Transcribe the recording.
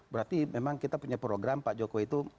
berarti memang kita punya program pak jokowi itu